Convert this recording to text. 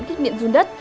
kích điện dung đất